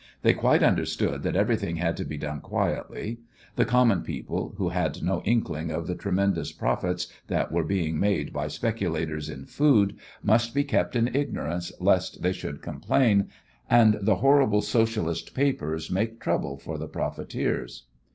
They quite understood that everything had to be done quietly. The common people, who had no inkling of the tremendous profits that were being made by speculators in food, must be kept in ignorance lest they should complain, and the horrible Socialist papers make trouble for the profiteers.